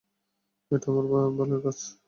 এটা আমার বালের কাজ, সিড!